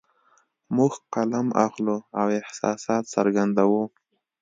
موږ قلم اخلو او احساسات څرګندوو